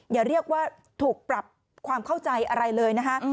อย่าเรียกว่าถูกปรับความเข้าใจอะไรเลยนะคะ